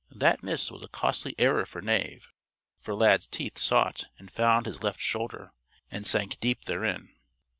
That miss was a costly error for Knave. For Lad's teeth sought and found his left shoulder, and sank deep therein.